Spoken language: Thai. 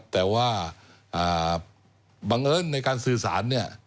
แต่ว่าบังเอิญในการสื่อสารเนี่ย